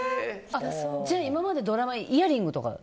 じゃあ今までドラマはイヤリングとか？